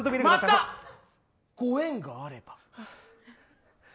またご縁があれば。